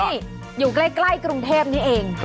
นี่อยู่ใกล้กรุงเทพนี้เอง